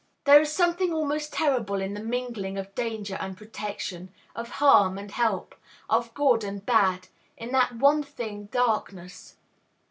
There is something almost terrible in the mingling of danger and protection, of harm and help, of good and bad, in that one thing, darkness.